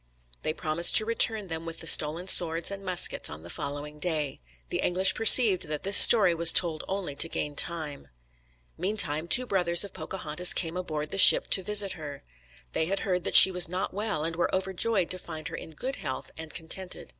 They promised to return them with the stolen swords and muskets on the following day. The English perceived that this story was told only to gain time. Meantime two brothers of Pocahontas came aboard the ship to visit her. They had heard that she was not well, and were overjoyed to find her in good health and contented.